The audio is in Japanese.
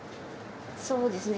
そうですね。